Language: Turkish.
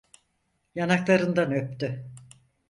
Yanaklarından öptü...